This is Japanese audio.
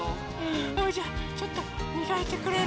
それじゃちょっとみがいてくれる？